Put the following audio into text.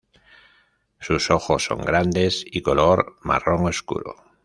Sus ojos son grandes y color marrón oscuro.